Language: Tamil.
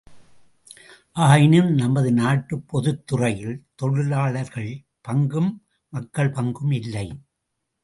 ஆயினும் நமது நாட்டுப் பொதுத்துறையில் தொழிலாளர்கள் பங்கும் மக்கள் பங்கும் இல்லை.